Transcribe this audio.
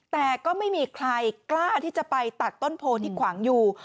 แต่ก็ไม่มีใครกล้าที่จะไปตัดต้นโพที่ขวางอยู่